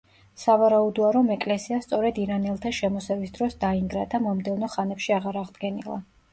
სავარაუდოა, რომ ეკლესია სწორედ ირანელთა შემოსევის დროს დაინგრა და მომდევნო ხანებში აღარ აღდგენილა.